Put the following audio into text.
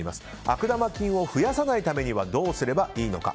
悪玉菌を増やさないためにはどうすればいいのか。